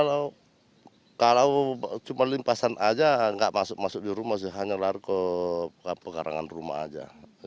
kalau cuma limpasan aja nggak masuk masuk di rumah sih hanya lari ke pekarangan rumah aja